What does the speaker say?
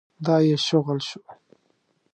دا يې شغل شو.